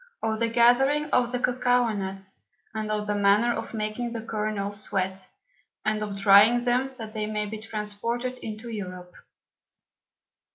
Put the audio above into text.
Of the gathering of the Cocao Nuts, and the Manner of making them sweat, and of drying them that they may be brought sound into Europe.